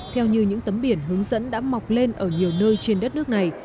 theo như những tấm biển hướng dẫn đã mọc lên ở nhiều nơi trên đất nước này